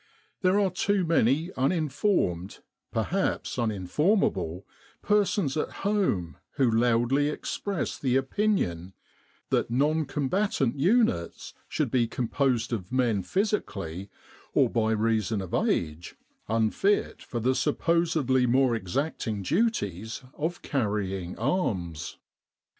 There are too many uninformed, perhaps uninformable, persons at home who loudly express the opinion that non combatant 5* "The Long, Long Way to Achi Baba" units should be composed of men physically, or by reason of age, unfit for the supposedly more exacting duties of carrying arms.